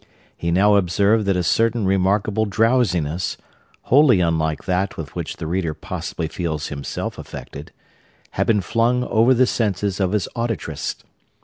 He now observed that a certain remarkable drowsiness (wholly unlike that with which the reader possibly feels himself affected) had been flung over the senses of his auditress.